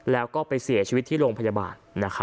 แล้วก็ไปเสียชีวิตที่โรงพยาบาล